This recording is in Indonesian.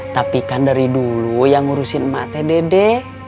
tapi kan dari dulu yang ngurusin emak teh dede